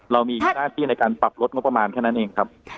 เรามีหน้าที่ในการปรับลดงบประมาณแค่นั้นเองครับ